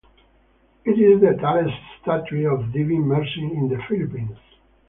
It is the tallest statue of the Divine Mercy in the Philippines.